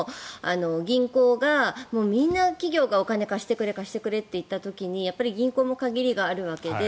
銀行がみんな企業がお金貸してくれと言った時に銀行も限りがあるわけで。